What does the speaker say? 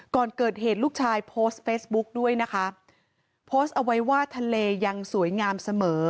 ก่อนเกิดเหตุลูกชายโพสต์เฟซบุ๊กด้วยนะคะโพสต์เอาไว้ว่าทะเลยังสวยงามเสมอ